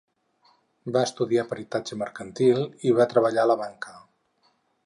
Va estudiar peritatge mercantil i va treballar a la banca.